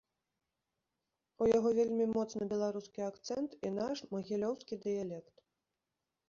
У яго вельмі моцны беларускі акцэнт і наш, магілёўскі, дыялект.